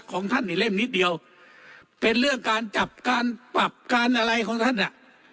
ของท่านนี่เล่มนิดเดียวเป็นเรื่องการจับการปรับการอะไรของท่านอ่ะ